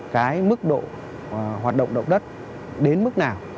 cái mức độ hoạt động động đất đến mức nào